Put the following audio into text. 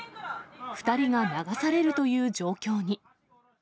２人が流されるという状況に。